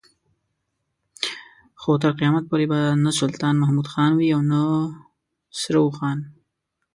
خو تر قيامت پورې به نه سلطان محمد خان وي او نه سره اوښان.